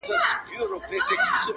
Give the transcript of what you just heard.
کنې پاته یې له ډلي د سیلانو,